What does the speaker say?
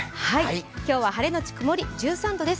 今日は晴れのち曇り１３度です。